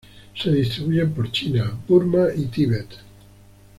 Se distribuyen por China, Burma y Tíbet.